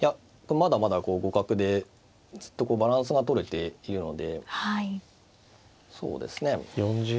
まだまだ互角でずっとバランスがとれているのでそうですね。